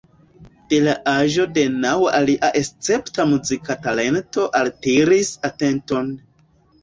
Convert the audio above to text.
De la aĝo de naŭ lia escepta muzika talento altiris atenton.